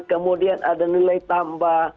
kemudian ada nilai tamu